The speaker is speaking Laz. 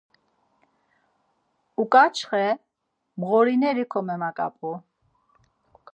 Oǩaçxe mğorineri komemaǩap̌u.